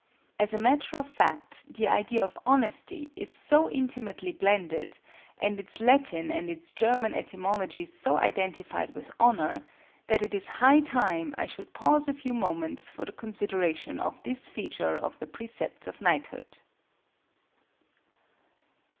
As a matter of fact, the idea of honesty is so intimately blended, and its Latin and its German etymology so identified with HONOR, that it is high time I should pause a few moments for the consideration of this feature of the Precepts of Knighthood.